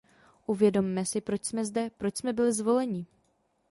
Uvědomme si, proč jsme zde, proč jsme byli zvoleni.